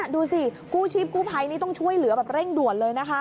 ดูสิกู้ชีพกู้ภัยนี่ต้องช่วยเหลือแบบเร่งด่วนเลยนะคะ